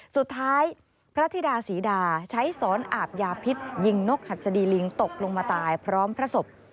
สุดท้ายพระธิดาศรีดาใช้สอนอาบยาพิษยิงนกหัดสดีลิงตกลงมาตายพร้อมพระศพ